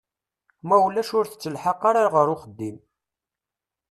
Ma ulac ur tettelḥaq ara ɣer uxeddim.